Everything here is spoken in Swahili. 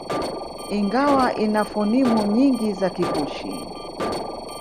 Ingawa ina fonimu nyingi za Kikushi